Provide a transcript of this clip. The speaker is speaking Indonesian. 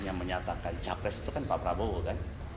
yang menyatakan capres itu kan pak prabowo kan